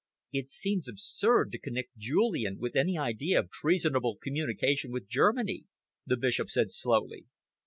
"It seems absurd to connect Julian with any idea of treasonable communication with Germany," the Bishop said slowly.